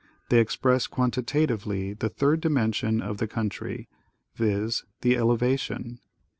They expresss quantitatively the third dimen sion of the country, viz : the elevation.